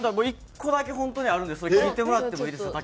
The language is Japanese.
１個だけ本当にあるんでそれ聞いてもらってもいいですか？